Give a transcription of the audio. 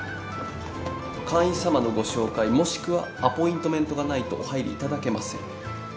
会員さまのご紹介もしくはアポイントメントがないとお入りいただけません。